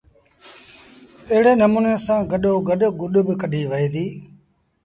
ايڙي نموٚني سآݩ گڏو گڏ گُڏ با ڪڍيٚ وهي ديٚ